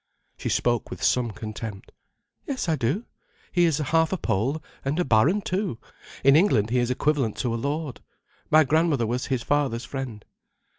She spoke with some contempt. "Yes, I do. He is half a Pole, and a Baron too. In England he is equivalent to a Lord. My grandmother was his father's friend."